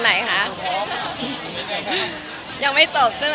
ก็เลยเอาข้าวเหนียวมะม่วงมาปากเทียน